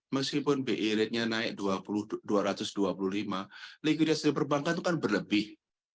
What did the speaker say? meskipun bi ratenya naik dua ratus dua puluh lima likuidrasi perbankan itu kan berlebih